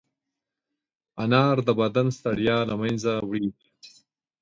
انار د بدن ستړیا له منځه وړي.